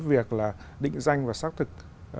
việc là định danh và xác thực